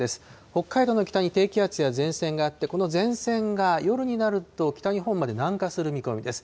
北海道の北に低気圧や前線があって、この前線が夜になると北日本まで南下する見込みです。